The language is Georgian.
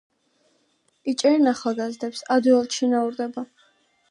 იჭერენ ახალგაზრდებს, ადვილად შინაურდება.